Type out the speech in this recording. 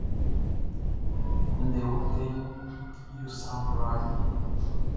Ndɛ wɛtɛɛʼn yo sran kwlaa ye.